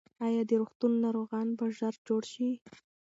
ایا د روغتون ناروغان به ژر جوړ شي؟